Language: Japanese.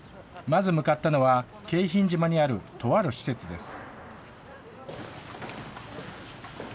まず向かったのは、京浜島にある、とある施設です。